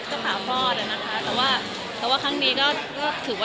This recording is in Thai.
ตอนนี้อีกถูกให้๔อีก๓เดือนค่ะ